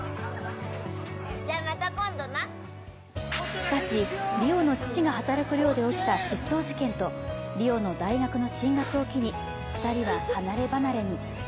しかし、梨央の父が働く寮で起きた失踪事件と、梨央の大学の進学を機に、２人は離れ離れに。